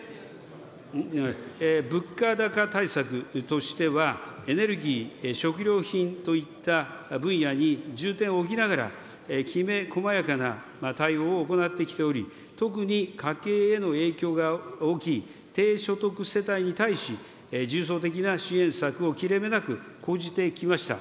物価高対策としては、エネルギー、食料品といった分野に重点を置きながら、きめこまやかな対応を行ってきており、特に、家計への影響が大きい、低所得世帯に対し、重層的な支援策を切れ目なく講じてきました。